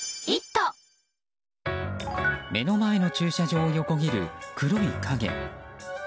目の前の駐車場を横切る黒い影。